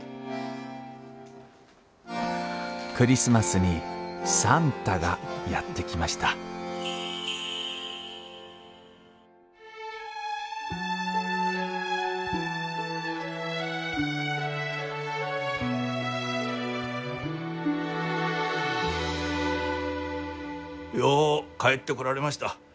クリスマスに算太がやって来ましたよう帰ってこられました。